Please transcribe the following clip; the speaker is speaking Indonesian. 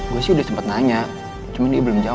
gue sih udah sempet nanya cuman dia belum jawab